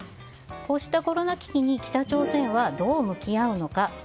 こうしたコロナ危機に北朝鮮はどう向き合うのか。